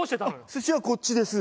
寿司はこっちです。